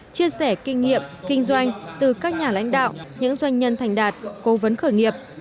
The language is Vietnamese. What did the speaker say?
chia sẻ kinh nghiệm kinh doanh từ các nhà lãnh đạo những doanh nhân thành đạt cố vấn khởi nghiệp